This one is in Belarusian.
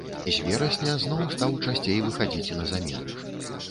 З верасня зноў стаў часцей выхадзіць на замену.